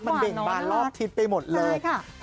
มันเบ่งบานรอบทิศไปหมดเลย